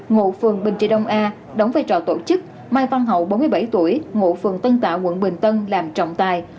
ngụ phường bình trị đông a đóng vai trò tổ chức mai văn hậu bốn mươi bảy tuổi ngụ phường tân tạo quận bình tân làm trọng tài